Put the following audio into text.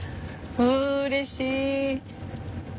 うれしい！